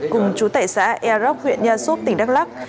cùng chú tệ xã eroch huyện nha súp tỉnh đắk lắc